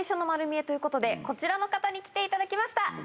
ということでこちらの方に来ていただきました。